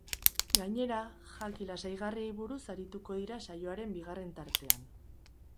Gainera, jaki lasaigarriei buruz arituko dira saioaren bigarren tartean.